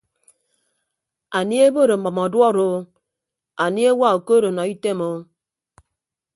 Anie ebod ọmʌm ọduọd o anie ewa okood ọnọ item o.